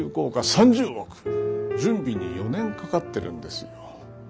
３０億準備に４年かかってるんですよ。